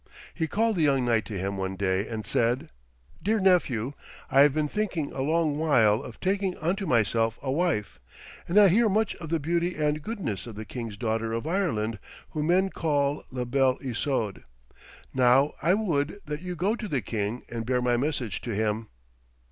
He called the young knight to him one day and said: 'Dear nephew, I have been thinking a long while of taking unto myself a wife, and I hear much of the beauty and goodness of the king's daughter of Ireland, whom men call La Belle Isoude. Now I would that you go to the king and bear my message to him.'